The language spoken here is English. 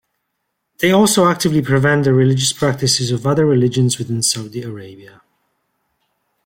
They also actively prevent the religious practices of other religions within Saudi Arabia.